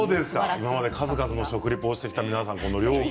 今まで数々の食リポをしてきた皆さん。